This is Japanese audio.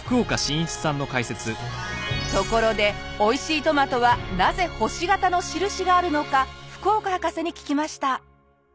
ところでおいしいトマトはなぜ星形の印があるのか福岡博士に聞きました。